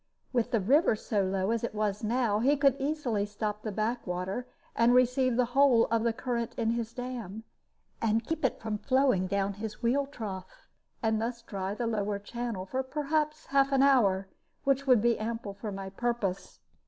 With the river so low as it was now, he could easily stop the back water, and receive the whole of the current in his dam, and keep it from flowing down his wheel trough, and thus dry the lower channel for perhaps half an hour, which would be ample for my purpose.